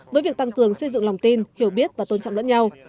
với việc tăng cường xây dựng lòng tin hiểu biết và tôn trọng lẫn nhau